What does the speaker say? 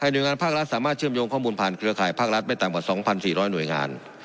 หน่วยงานภาครัฐสามารถเชื่อมโยงข้อมูลผ่านเครือข่ายภาครัฐไม่ต่ำกว่า๒๔๐๐หน่วยงาน